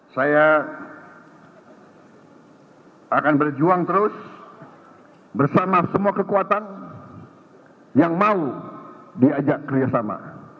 saya akan berjuang terus bersama semua kekuatan yang mau diajak kerjasama